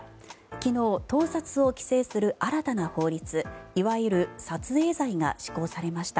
昨日、盗撮を規制する新たな法律いわゆる撮影罪が施行されました。